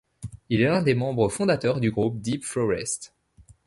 Il est l'un des membres fondateurs du groupe Deep Forest.